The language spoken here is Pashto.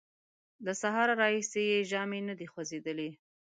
له سهاره راهیسې یې ژامې نه دې خوځېدلې!